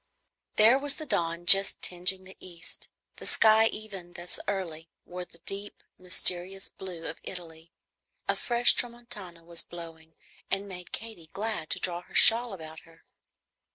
There was the dawn just tingeing the east. The sky, even thus early, wore the deep mysterious blue of Italy. A fresh tramontana was blowing, and made Katy glad to draw her shawl about her.